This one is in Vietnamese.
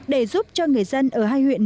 để giúp cho người dân ở hai huyện